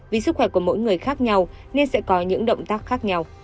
vì sức khỏe của mỗi người khác nhau nên sẽ có những động tác khác nhau